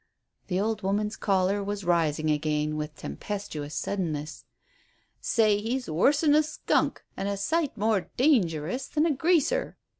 The old woman's choler was rising again with tempestuous suddenness. "Say, he's worse'n a skunk, and a sight more dangerous than a Greaser.